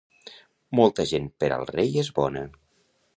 Molta gent per al rei és bona.